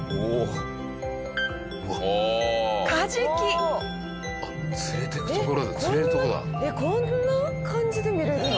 えっこんなこんな感じで見れるの？